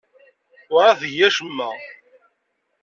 Werɛad tgi acemma.